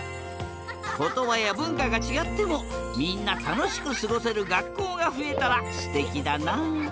ことばやぶんかがちがってもみんなたのしくすごせるがっこうがふえたらすてきだな！